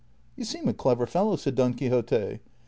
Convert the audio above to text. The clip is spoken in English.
" You seem a clever fellow," said Don Quixote.